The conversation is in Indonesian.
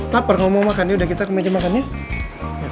lapar kalau mau makan yaudah kita ke meja makannya